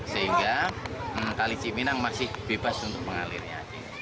sehingga kali cipinang masih bebas untuk mengalirnya